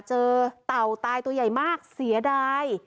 เต่าตายตัวใหญ่มากเสียดาย